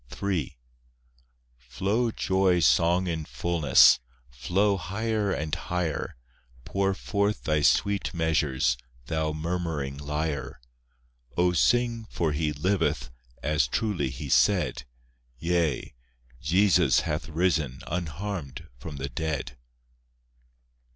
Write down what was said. III Flow joy song in fulness, Flow higher and higher; Pour forth thy sweet measures, Thou murmuring lyre; O sing, for He liveth, As truly He said, Yea, Jesus hath risen Unharmed from the dead.